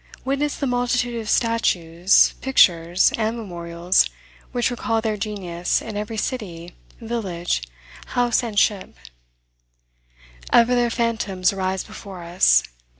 Witness the multitude of statues, pictures, and memorials which recall their genius in every city, village, house, and ship: "Ever their phantoms arise before us.